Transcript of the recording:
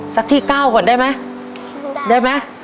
สักที่๙ก่อนได้มั้ย